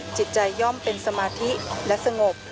จิตใจย่อมเป็นสมาธิและสงบ